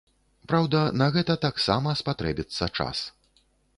Праўда, на гэта таксама спатрэбіцца час.